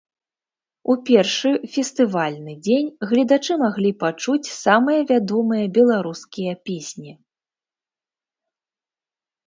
У першы фестывальны дзень гледачы маглі пачуць самыя вядомыя беларускія песні.